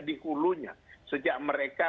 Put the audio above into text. di hulunya sejak mereka